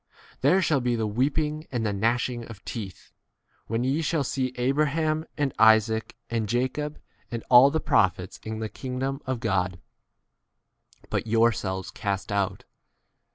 There shall be the weeping and the gnashing of teeth, when ye shall see Abra ham and Isaac and Jacob and all the prophets in the kingdom of 29 God, but yourselves cast out.